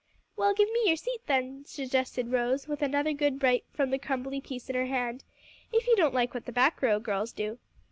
"Well, give me your seat then," suggested Rose, with another good bite from the crumbly piece in her hand, "if you don't like what the back row girls do."